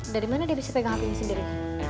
dari mana dia bisa pegang apinya sendiri